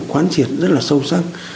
quán triệt rất là sâu sắc